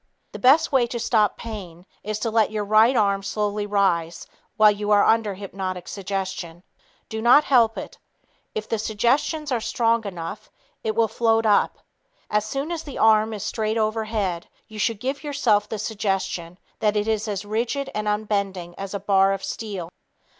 The best way to stop pain is to let your right arm slowly rise while you are under hypnotic suggestion. Do not help it. If the suggestions are strong enough, it will "float" up. As soon as the arm is straight overhead, you should give yourself the suggestion that it is as rigid and unbending as a bar of steel.